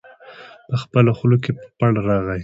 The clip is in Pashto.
په خپله خوله کې پړ راغی.